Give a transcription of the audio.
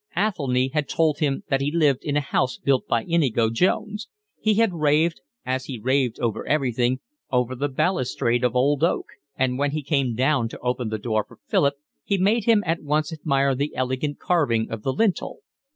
Athelny had told him that he lived in a house built by Inigo Jones; he had raved, as he raved over everything, over the balustrade of old oak; and when he came down to open the door for Philip he made him at once admire the elegant carving of the lintel.